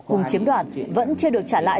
hùng chiếm đoạt vẫn chưa được trả lại